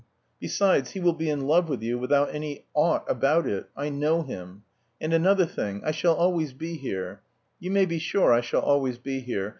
"Besides, he will be in love with you without any ought about it. I know him. And another thing, I shall always be here. You may be sure I shall always be here.